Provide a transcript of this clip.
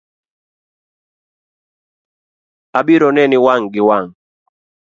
Abiro neni wang’ gi wang’